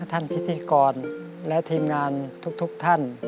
พิธีกรและทีมงานทุกท่าน